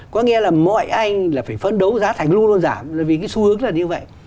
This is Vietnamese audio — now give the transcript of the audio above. có nghĩa là mọi anh là phải phấn đấu giá thành luôn luôn giảm là vì cái xu hướng là như vậy